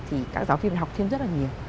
thì các giáo viên học thêm rất là nhiều